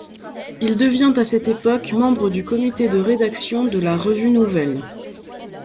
Il devient à cette époque membre du Comité de rédaction de la Revue Nouvelle.